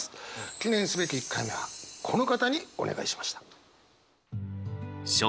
記念すべき１回目はこの方にお願いしました。